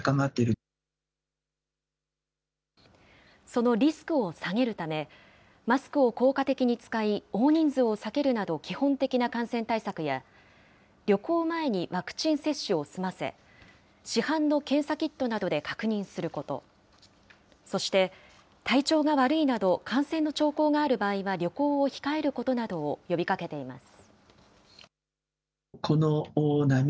そのリスクを下げるため、マスクを効果的に使い、大人数を避けるなど基本的な感染対策や、旅行前にワクチン接種を済ませ、市販の検査キットなどで確認すること、そして体調が悪いなど感染の兆候がある場合は旅行を控えることなどを呼びかけています。